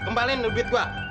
kembaliin duit gua